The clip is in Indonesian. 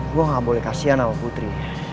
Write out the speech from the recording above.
gue gak boleh kasihan sama putri